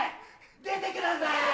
出てください！